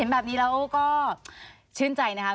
สวัสดีค่ะที่จอมฝันครับ